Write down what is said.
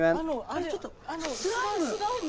ちょっとスライム。